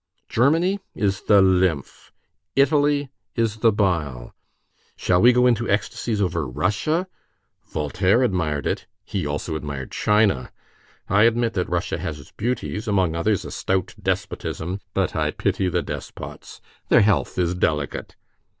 Germany is the lymph, Italy is the bile. Shall we go into ecstasies over Russia? Voltaire admired it. He also admired China. I admit that Russia has its beauties, among others, a stout despotism; but I pity the despots. Their health is delicate.